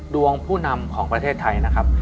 ผู้นำของประเทศไทยนะครับ